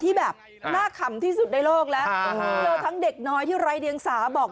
ที่แบบน่าขำที่สุดในโลกแล้วเจอทั้งเด็กน้อยที่ไร้เดียงสาบอก